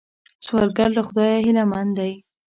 سوالګر له خدایه هیلمن دی